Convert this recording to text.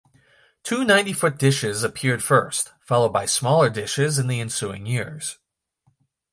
Two ninety-foot dishes appeared first, followed by smaller dishes in the ensuing years.